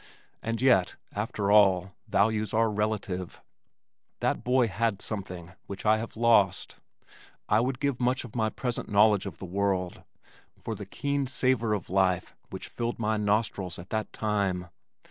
And yet, after all, values are relative. That boy had something which I have lost. I would give much of my present knowledge of the world for the keen savor of life which filled my nostrils at that time.